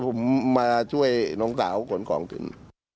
ผมมาช่วยน้องสาวขนของขึ้น